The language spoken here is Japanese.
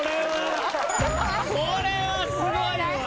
これはすごいわ！